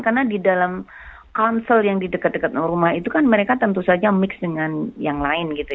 karena di dalam konsul yang di dekat dekat rumah itu kan mereka tentu saja mix dengan yang lain gitu